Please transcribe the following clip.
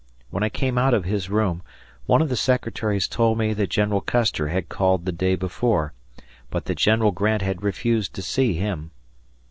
When I came out of his room, one of the secretaries told me that General Custer had called the day before, but that General Grant had refused to see him.